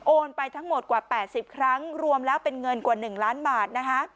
ไปทั้งหมดกว่า๘๐ครั้งรวมแล้วเป็นเงินกว่า๑ล้านบาทนะคะ